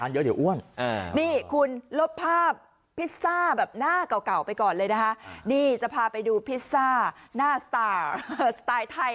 เด้อซินี่คืออะไรหน้าอะไร